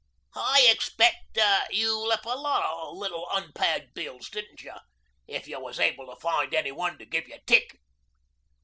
'I expeck you ler' a lot o' little unpaid bills, didn't you? if you was able to find anyone to give you tick.'